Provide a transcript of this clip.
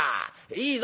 いいぞ。